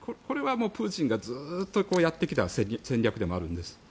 これはプーチンがずっとやってきた戦略でもあるんです。